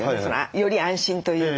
より安心というか。